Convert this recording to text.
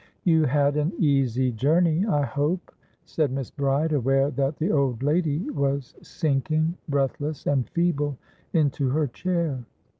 "You had an easy journey, I hope," said Miss Bride, aware that the old lady was sinking breathless and feeble into her chair.